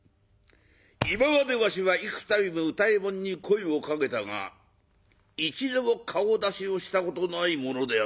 今までわしは幾たびも歌右衛門に声をかけたが一度も顔出しをしたことない者であるわい。